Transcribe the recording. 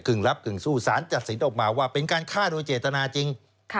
รับกึ่งสู้สารจัดสินออกมาว่าเป็นการฆ่าโดยเจตนาจริง